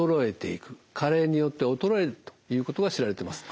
加齢によって衰えるということが知られてます。